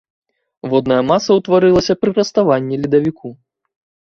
Водная маса ўтварылася пры раставанні ледавіку.